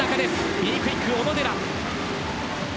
Ｂクイック、小野寺。